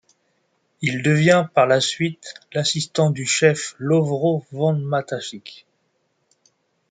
Il devient par la suite l'assistant du chef Lovro von Matačić.